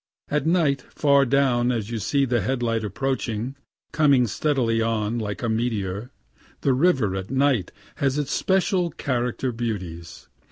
At night far down you see the headlight approaching, coming steadily on like a meteor. The river at night has its special character beauties.